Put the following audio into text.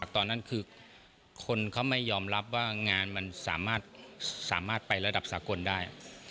ตอนนั้นคือคนเขาไม่ยอมรับว่างานมันสามารถไประดับสากลได้